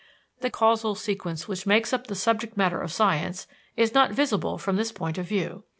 The casual sequence which makes up the subject matter of science is not visible from this point of view.